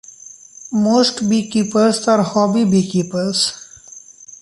Most beekeepers are hobby beekeepers.